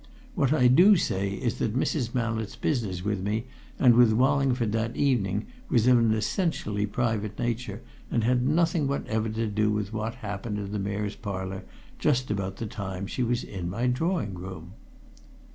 What I do say is that Mrs. Mallett's business with me and with Wallingford that evening was of an essentially private nature and had nothing whatever to do with what happened in the Mayor's Parlour just about the time she was in my drawing room."